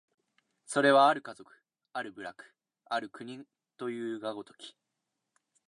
それは或る家族、或る部落、或る国というが如き、